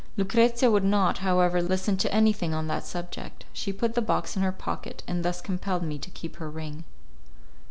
Lucrezia would not, however, listen to anything on that subject. She put the box in her pocket, and thus compelled me to keep her ring.